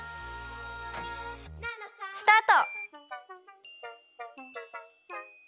スタート！